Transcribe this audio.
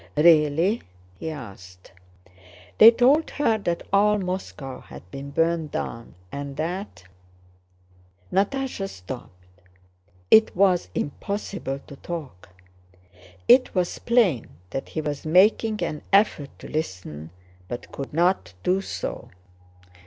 "Really?" he asked. "They told her that all Moscow has been burned down, and that..." Natásha stopped. It was impossible to talk. It was plain that he was making an effort to listen, but could not do so.